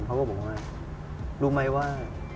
เพราะว่าผมว่ารู้ไหมว่า